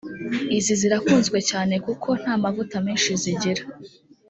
izi zirakunzwe cyane kuko nta mavuta menshi zigira